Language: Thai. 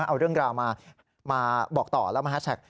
เอาเรื่องราวมาบอกต่อแล้วมาแฮชแท็ก